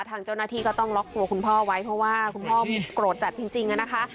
ทางเจ้าหน้าที่ก็ต้องล็อกตัวคุณพ่อไว้เพราะว่าคุณพ่อโกรธจัดจริงนะคะ